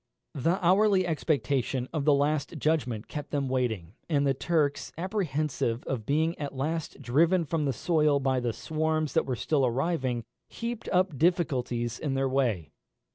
The hourly expectation of the last judgment kept them waiting; and the Turks, apprehensive of being at last driven from the soil by the swarms that were still arriving, heaped up difficulties in their way.